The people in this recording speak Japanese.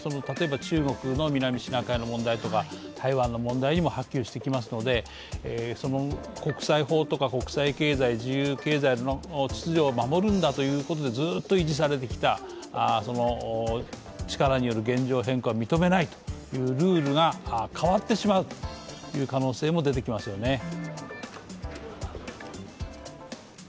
例えば中国の南シナ海の問題とか台湾の問題にも波及してきますので、国際法とか国際経済、自由経済の秩序を守るんだということでずっと維持されてきた力による現状変更を認めないというルールが変わってしまうという可能性も出てきますよね。